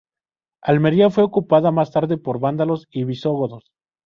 Almería fue ocupada más tarde por vándalos y visigodos.